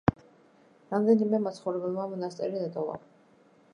რამდენიმე მაცხოვრებელმა მონასტერი დატოვა.